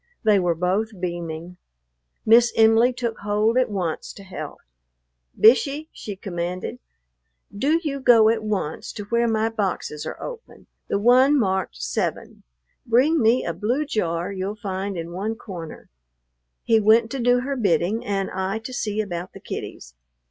They were both beaming. Miss Em'ly took hold at once to help. "Bishey," she commanded, "do you go at once to where my boxes are open, the one marked 7; bring me a blue jar you'll find in one corner." He went to do her bidding, and I to see about the kiddies.